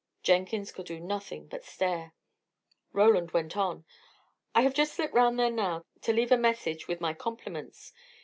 Jenkins could do nothing but stare. Roland went on: "I have just slipped round there now, to leave a message, with my compliments.